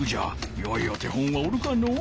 よいお手本はおるかのう。